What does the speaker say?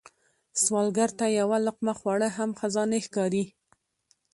سوالګر ته یو لقمه خواړه هم خزانې ښکاري